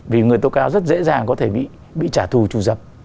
vì người tố cáo rất dễ dàng có thể bị trả thù trù dập